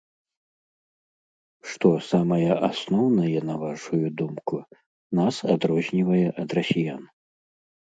Што самае асноўнае, на вашую думку, нас адрознівае ад расіян?